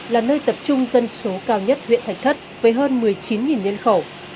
là nơi tập trung dân số cao nhất huyện thạch thất với hơn một mươi chín nhân khẩu